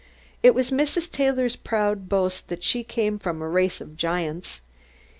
It was Mrs. Taylor's proud boast that she came of a race of giants.